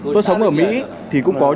tôi sống ở mỹ thì cũng có những quy định